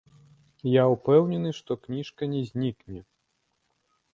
Я ўпэўнены, што кніжка не знікне.